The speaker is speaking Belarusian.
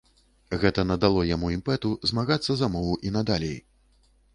Гэта надало яму імпэту змагацца за мову і надалей.